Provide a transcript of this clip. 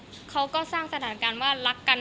เพราะเขาก็สร้างสถานการณ์ถูกชน